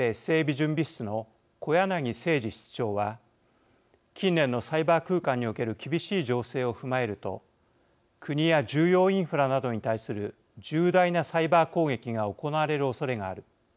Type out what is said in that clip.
準備室の小柳誠二室長は近年のサイバー空間における厳しい情勢を踏まえると国や重要インフラなどに対する重大なサイバー攻撃が行われるおそれがある。